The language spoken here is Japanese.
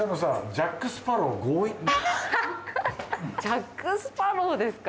ジャック・スパロウですか？